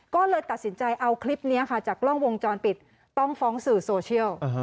ก็เลยตัดสินใจเอาคลิปนี้ค่ะจากกล้องวงจรปิดต้องฟ้องสื่อโซเชียล